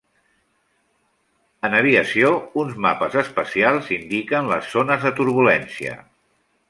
En aviació uns mapes especials indiquen les zones de turbulència.